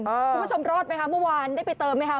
คุณผู้ชมรอดไหมคะเมื่อวานได้ไปเติมไหมคะ